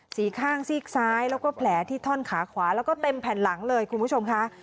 ข้างซีกซ้ายแล้วก็แผลที่ท่อนขาขวาแล้วก็เต็มแผ่นหลังเลยคุณผู้ชมค่ะ